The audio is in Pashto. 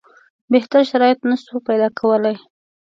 بهتر شرایط نه سو پیدا کولای.